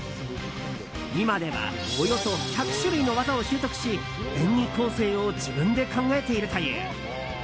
今ではおよそ１００種類の技を習得し演技構成を自分で考えているという。